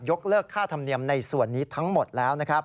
ยกเลิกค่าธรรมเนียมในส่วนนี้ทั้งหมดแล้ว